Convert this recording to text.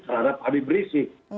terhadap habib rizie